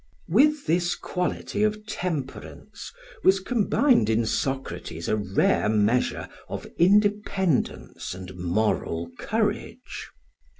] With this quality of temperance was combined in Socrates a rare measure of independence and moral courage.